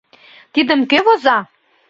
— Тидым кӧ воза?